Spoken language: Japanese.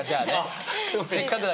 せっかくだから。